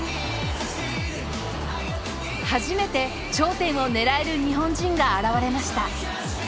初めて頂点を狙える日本人が現れました。